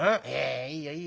「いいよいいよ。